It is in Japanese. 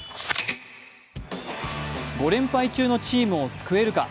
５連敗中のチームを救えるか。